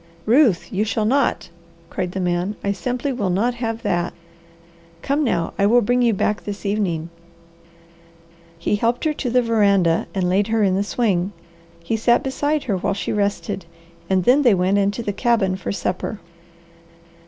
"Ruth, you shall not!" cried the man. "I simply will not have that. Come now, I will bring you back this evening." He helped her to the veranda and laid her in the swing. He sat beside her while she rested, and then they went into the cabin for supper.